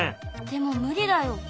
でも無理だよ。